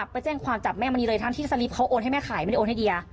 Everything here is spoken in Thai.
ไปแจ้งความจับแม่มณีเลยทั้งที่สลิปเขาโอนให้แม่ขายไม่ได้โอนให้เดีย